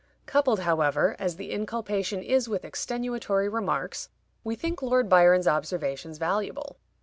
Coupled, however, as the inculpation is with extenuatory remarks, we think Lord Byron's observations valuable.